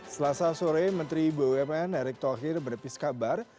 selasa sore menteri bumn erick thohir menepis kabar